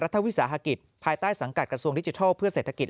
วิสาหกิจภายใต้สังกัดกระทรวงดิจิทัลเพื่อเศรษฐกิจ